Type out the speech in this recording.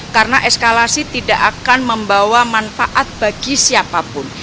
karena eskalasi tidak akan membawa manfaat bagi siapapun